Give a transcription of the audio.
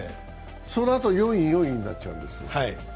そのあと４位、４位になっちゃうんですよ。